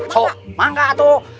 sok mangga atu